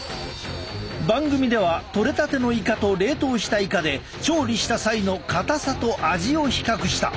番組では取れたてのいかと冷凍したいかで調理した際のかたさと味を比較した。